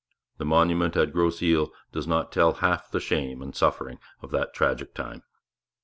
The monument at Grosse Isle does not tell half the shame and suffering of that tragic time.